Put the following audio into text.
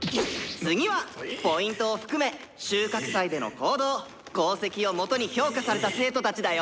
「次はＰを含め収穫祭での行動・功績をもとに評価された生徒たちだよ！」。